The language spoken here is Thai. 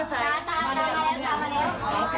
ตรงไม่ยันตาย